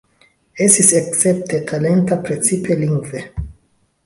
Estis escepte talenta, precipe lingve.